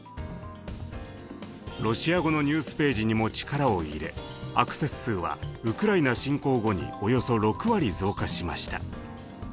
ロシア語のニュースページにも力を入れアクセス数はウクライナ侵攻後におよそ６割増加しました。